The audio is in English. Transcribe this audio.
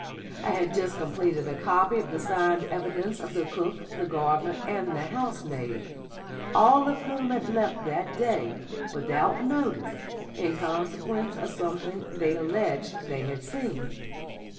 I had just completed a copy of the signed evidence of the cook, the gardener, and the housemaid, all of whom had left that day without notice in consequence of something they alleged they had seen.